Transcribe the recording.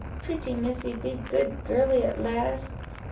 pretty Missy be good girly at last!